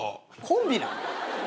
コンビなん？